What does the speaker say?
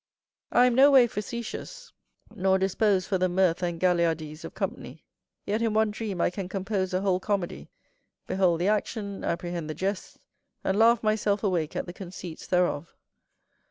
I am no way facetious, nor disposed for the mirth and galliardise of company; yet in one dream I can compose a whole comedy, behold the action, apprehend the jests, and laugh myself awake at the conceits thereof.